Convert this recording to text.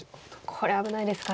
これ危ないですか。